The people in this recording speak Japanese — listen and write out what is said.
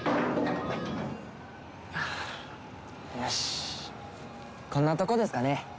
はぁよしこんなとこですかね。